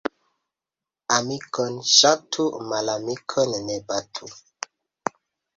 Amikon ŝatu, malamikon ne batu.